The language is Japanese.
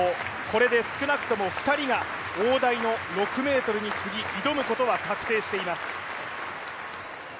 これで少なくとも２人が大台の６ｍに次、挑むことが確定しています。